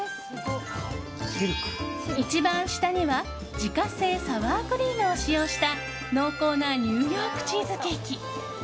一番下には自家製サワークリームを使用した濃厚なニューヨークチーズケーキ。